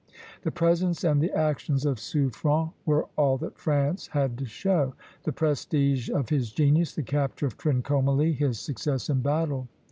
The presence and the actions of Suffren were all that France had to show, the prestige of his genius, the capture of Trincomalee, his success in battle.